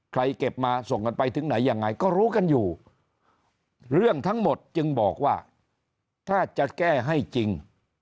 เก็บมาส่งกันไปถึงไหนยังไงก็รู้กันอยู่เรื่องทั้งหมดจึงบอกว่าถ้าจะแก้ให้จริง